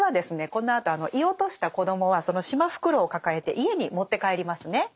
このあと射落とした子どもはそのシマフクロウを抱えて家に持って帰りますね。